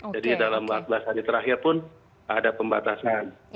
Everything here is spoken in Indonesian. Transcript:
jadi dalam empat belas hari terakhir pun ada pembatasan